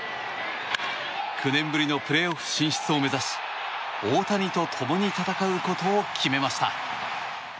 ９年ぶりのプレーオフ進出を目指し大谷と共に戦うことを決めました。